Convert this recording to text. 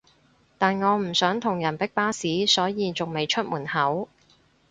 但我唔想同人逼巴士所以仲未出門口